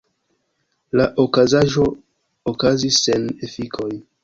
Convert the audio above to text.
La okazaĵo okazis sen efikoj.